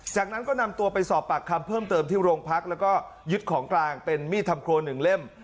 จากนั้นก็นำตัวไปสอบปากคำเพิ่มเติมที่โรงพักแล้วก็ยึดของกลางเป็นมีดทำครัวหนึ่งเล่ม